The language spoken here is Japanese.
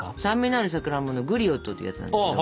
酸味のあるさくらんぼのグリオットっていうやつなんですけど。